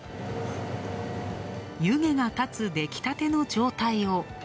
湯気が立つ出来立ての状態を。